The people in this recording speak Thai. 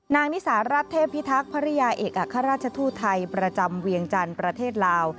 นิสารัฐเทพิทักษ์ภรรยาเอกอัครราชทูตไทยประจำเวียงจันทร์ประเทศลาว